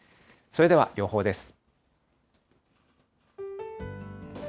それでは予報です。